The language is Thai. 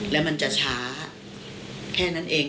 แล้วมันจะช้าแค่นั้นเอง